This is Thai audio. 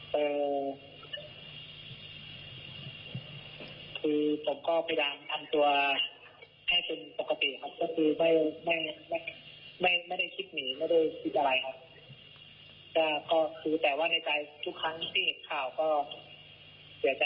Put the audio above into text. คือผมก็พิรามทำตัวแค่จนปกติครับไม่ได้คิดหนีไม่ได้คิดอะไรครับ